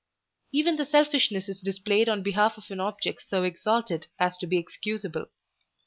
Even the selfishness is displayed on behalf of an object so exalted as to be excusable.